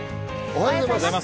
おはようございます。